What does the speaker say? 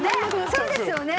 そうですよね。